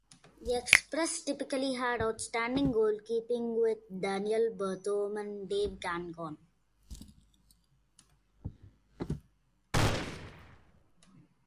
The Express typically had outstanding goalkeeping with Daniel Berthiaume and Dave Gagnon.